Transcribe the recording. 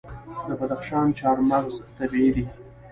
د بدخشان چهارمغز طبیعي دي.